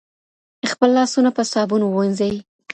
خپل لاسونه په صابون ووینځئ.